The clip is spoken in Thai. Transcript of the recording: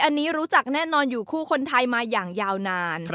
อันนี้รู้จักแน่นอนอยู่คู่คนไทยมาอย่างยาวนาน